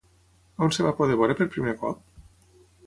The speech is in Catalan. On es va poder veure per primer cop?